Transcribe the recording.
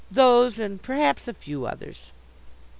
Those and perhaps a few others.